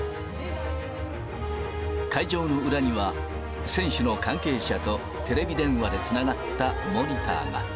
会場の裏には、選手の関係者とテレビ電話でつながったモニターが。